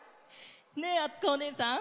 ねえあつこおねえさん。